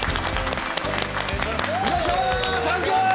お願いします！